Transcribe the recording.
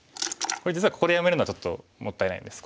これ実はここでやめるのはちょっともったいないです。